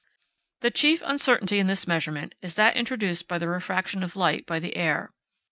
The chief uncertainty in this measurement is that introduced by the refraction of light by the air.